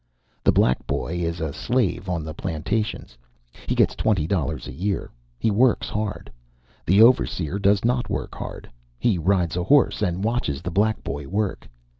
"The black boy is a slave on the plantations. He gets twenty dollars a year. He works hard. The overseer does not work hard. He rides a horse and watches the black boy work.